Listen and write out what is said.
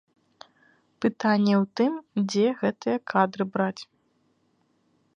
Пытанне ў тым, дзе гэтыя кадры браць.